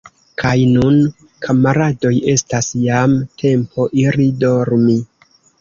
Kaj nun, kamaradoj, estas jam tempo iri dormi.